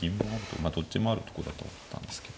まあどっちもあるとこだと思ったんですけど。